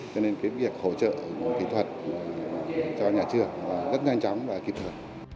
cho nên việc hỗ trợ kỹ thuật cho nhà trường rất nhanh chóng và kỹ thuật